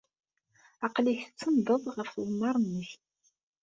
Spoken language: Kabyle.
Aql-ik tsenndeḍ ɣef tɣemmar-nnek.